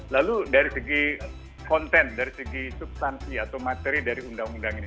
lalu dari segi konten dari segi substansi atau materi dari undang undang ini